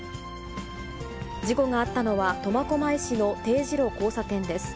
事故があったのは、苫小牧市の丁字路交差点です。